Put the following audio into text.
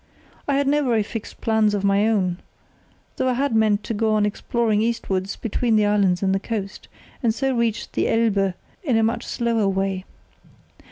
I had no very fixed plans of my own, though I had meant to go on exploring eastwards between the islands and the coast, and so reach the Elbe in a much slower way.